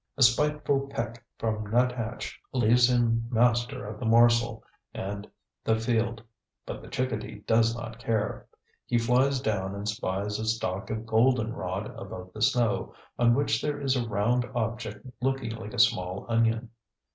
A spiteful peck from nuthatch leaves him master of the morsel and the field. But the chickadee does not care. He flies down and spies a stalk of golden rod above the snow on which there is a round object looking like a small onion.